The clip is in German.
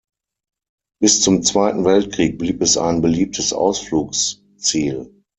Bis zum Zweiten Weltkrieg blieb es ein beliebtes Ausflugsziel.